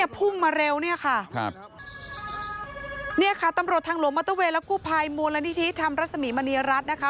พุ่งมาเร็วเนี่ยค่ะครับเนี่ยค่ะตำรวจทางหลวงมอเตอร์เวย์และกู้ภัยมูลนิธิธรรมรสมีมณีรัฐนะคะ